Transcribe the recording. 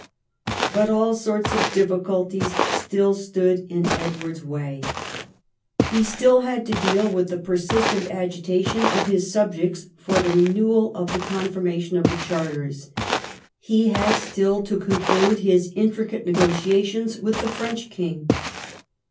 But all sorts of difficulties still stood in Edward's way. P 210 EDWARD I chap. He still had to deal Avith the persistent agitation of his subjects for the renewal of the Confirmation of the Charters. He had still to conclude his intricate negotia tions with the French king.